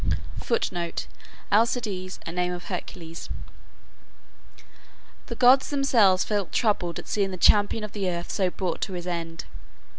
[Footnote: Alcides, a name of Hercules.] The gods themselves felt troubled at seeing the champion of the earth so brought to his end.